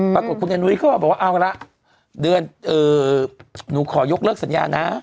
ปรากฏคุณแอนุ้ยเขาก็บอกว่าเอาละเดือนหนูขอยกเลิกสัญญานะ